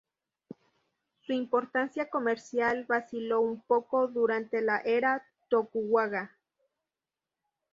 Su importancia comercial vaciló un poco durante la era Tokugawa.